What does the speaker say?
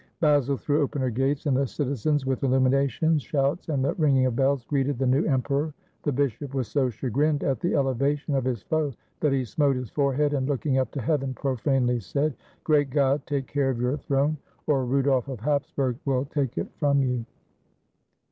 Basle threw open her gates, and the citizens, with illuminations, shouts, and the ringing of bells, greeted the new Emperor. The bishop was so chagrined at the elevation of his foe that he smote his forehead, and, looking up to heaven, profanely said, "Great God, take care of your throne, or Rudolf of Hapsburg will take it from you!"